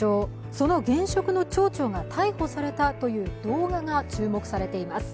その現職の町長が逮捕されたという動画が注目されています。